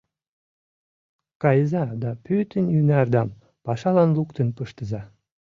Кайыза да пӱтынь ӱнардам пашалан луктын пыштыза!